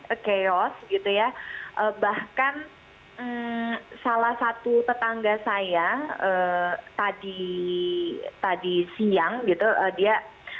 exhaust gitu ya bahkan salah satu tetangga saya tadi tadi yang gitu dia